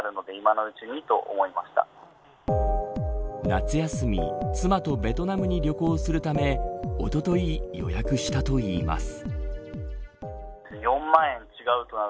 夏休み、妻とベトナムに旅行するためおととい予約したといいます。